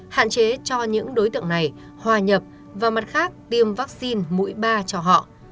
hạn chế cho những đối tượng này hòa nhập vào mặt khác tiêm vaccine mũi ba cho họ